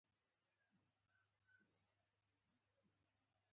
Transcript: د اکرم اکا سر زانګېده.